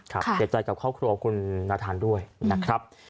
เสียใจกับครอบครัวคุณนาธานด้วยนะครับ